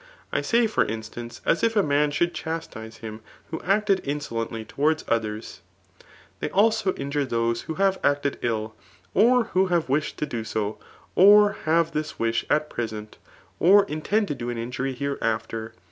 I say, for ^Ktance, as if « man should chastise hiitt who acted inso lently towardfs others, they also injure those who have acted ill, or who h;»ve m^ed to do so, or have this wish at present, or intend to do an injury hereafter.